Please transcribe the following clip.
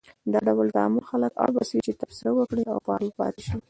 دا ډول تعامل خلک اړ باسي چې تبصره وکړي او فعال پاتې شي.